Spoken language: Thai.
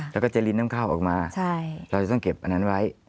แล้วก็จะลิ้นน้ำข้าวออกมาเราจะต้องเก็บอันนั้นไว้